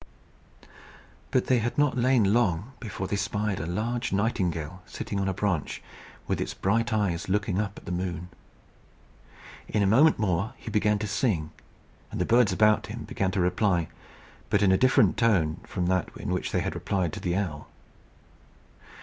But they had not lain long before they spied a large nightingale sitting on a branch, with its bright eyes looking up at the moon. In a moment more he began to sing, and the birds about him began to reply, but in a different tone from that in which they had replied to the owl.